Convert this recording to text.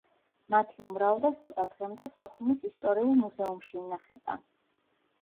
მათი უმრავლესობა დღემდე სოხუმის ისტორიულ მუზეუმში ინახება.